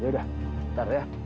yaudah ntar ya